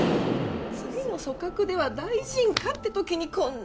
次の組閣では大臣かってときに、こんな。